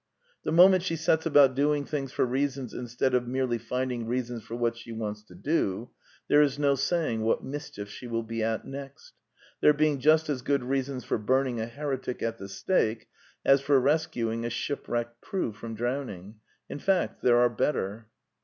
The moment she sets about doing things for reasons instead of merely finding reasons for what she wants to do, there is no saying what mischief she will be at next: there being just as good reasons for burning a heretic at the stake as for rescuing a shipwrecked crew from drown ing: in fact, there are better.